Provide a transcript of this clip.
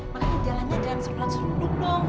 makanya jalannya jangan sebelah suruh duduk dong